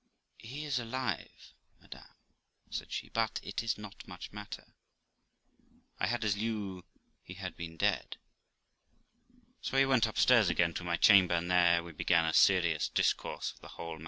'He is alive, madam' said she. 'But it is not much matter; I had as lieu he had been dead.' So we went upstairs again to my chamber, and there we began a serious discourse of the whole matter.